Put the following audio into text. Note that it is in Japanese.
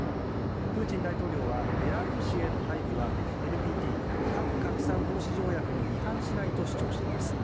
プーチン大統領はベラルーシへの配備はＮＰＴ・核拡散防止条約に違反しないと主張しています。